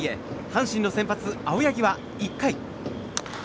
阪神の先発、青柳は１回。